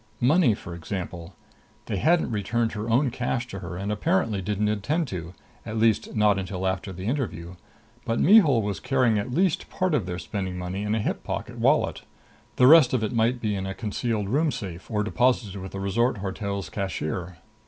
Money, for example. They hadn't returned her own cash to her and apparently didn't intend to at least not until after the interview. But Mihul was carrying at least part of their spending money in a hip pocket wallet. The rest of it might be in a concealed room safe or deposited with the resort hotel's cashier.